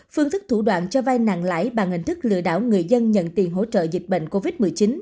phương thức thủ đoạn cho vai nặng lãi bằng hình thức lừa đảo người dân nhận tiền hỗ trợ dịch bệnh covid một mươi chín